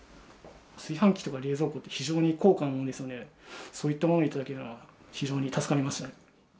炊飯器とか冷蔵庫って非常に高価なものですので、そういったもの頂けるのは、非常に助かりましたね。